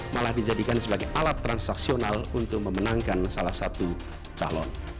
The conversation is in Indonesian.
malah dijadikan sebagai alat transaksional untuk memenangkan salah satu calon